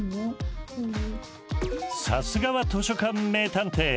さすがは図書館名探偵！